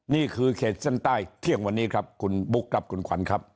เขตเส้นใต้เที่ยงวันนี้ครับคุณบุ๊คครับคุณขวัญครับ